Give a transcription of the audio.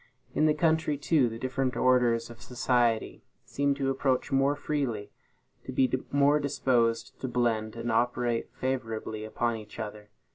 In the country, too, the different orders of society seem to approach more freely, to be more disposed to blend and operate favorably upon each other.